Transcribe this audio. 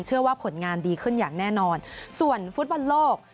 ว่าผลงานดีขึ้นอย่างแน่นอนส่วนฟุตบอลโลก